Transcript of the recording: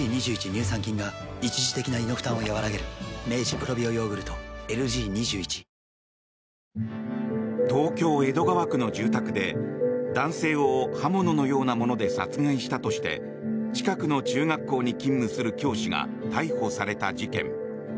乳酸菌が一時的な胃の負担をやわらげる東京・江戸川区の住宅で男性を刃物のようなもので殺害したとして近くの中学校に勤務する教師が逮捕された事件。